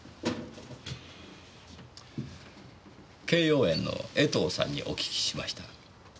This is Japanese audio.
敬葉園の江藤さんにお聞きしました。